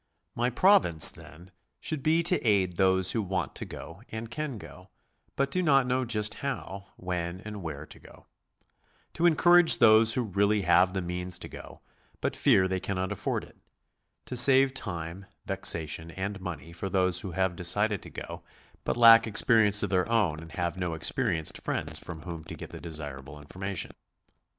My province, then, should be to aid those who want to go and can go, but do not know just how, when, and where to go; to encourage those who really have the means to go, but fear they cannot afford it; to save time, vexation, and money for those who have decided to go, but lack experience of their own and have no experienced friends from whom to get the desirable information.